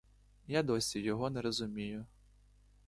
Я досі його не розумію.